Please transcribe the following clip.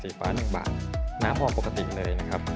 สีฟ้าหนึ่งบาทน้ำหอมปกติเลยนะครับ